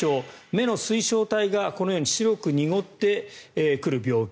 目の水晶体がこのように白く濁ってくる病気。